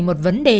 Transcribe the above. một vấn đề